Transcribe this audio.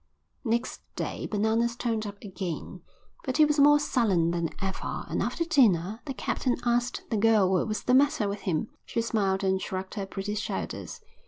Next day Bananas turned up again, but he was more sullen than ever, and after dinner the captain asked the girl what was the matter with him. She smiled and shrugged her pretty shoulders.